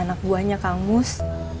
anak buahnya kangus